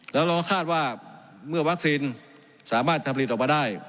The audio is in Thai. แล้วเราก็คาดว่าเมื่อวัคซีนสามารถทำผลิตออกมาได้